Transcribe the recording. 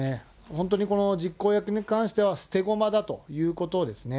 本当にこの実行役に関しては捨て駒だということですね。